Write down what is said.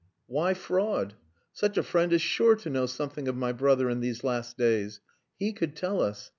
"Why fraud? Such a friend is sure to know something of my brother in these last days. He could tell us....